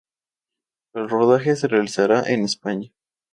El rodaje se realizará en España.